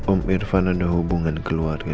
om irfan ada hubungan keluarga